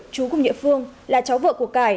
chú cùng địa phương là cháu vợ của cải